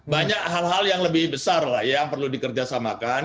banyak hal hal yang lebih besar lah yang perlu dikerjasamakan